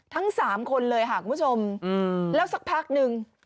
ทั้งสามคนเลยค่ะคุณผู้ชมแล้วสักพักนึง